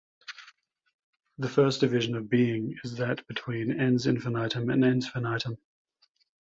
The first division of being is that between "ens infinitum" and "ens finitum".